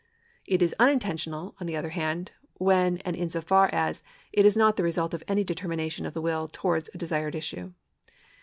It is uninten tional, on the other hand, when, and in so far as, it is not the result of any determination of the will towards a desired issue.